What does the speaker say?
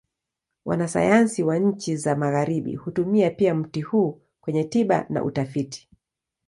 Wanasayansi wa nchi za Magharibi hutumia pia mti huu kwenye tiba na utafiti.